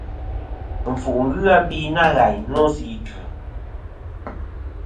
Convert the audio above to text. Ɨnfuʼ nɨn ghɨ abe nâ ghàyn nô sɨ idvɨ.